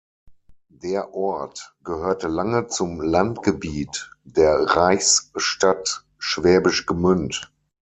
Der Ort gehörte lange zum Landgebiet der Reichsstadt Schwäbisch Gmünd.